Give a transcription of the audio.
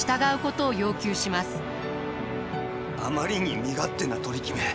あまりに身勝手な取り決め。